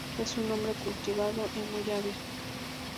Es un hombre cultivado y muy hábil.